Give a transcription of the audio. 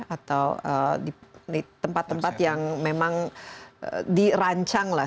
atau di tempat tempat yang memang dirancang lah